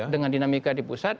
dengan dinamika di pusat